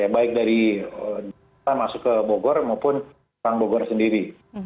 baik dari kita masuk ke bogor maupun perang bogor sendiri